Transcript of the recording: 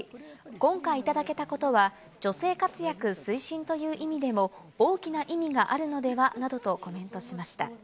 今回頂けたことは女性活躍推進という意味でも大きな意味があるのではなどとコメントしました。